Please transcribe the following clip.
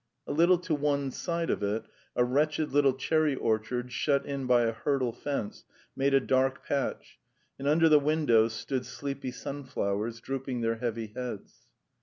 A little to one side of it a wretched little cherry orchard shut in by a hurdle fence made a dark patch, and under the windows stood sleepy sunflowers drooping their heavy heads.